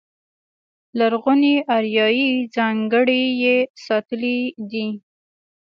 لرغونې اریایي ځانګړنې یې ساتلې دي.